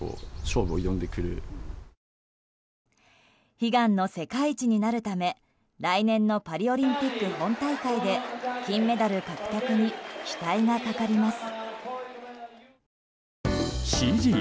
悲願の世界一になるため来年のパリオリンピック本大会で金メダル獲得に期待がかかります。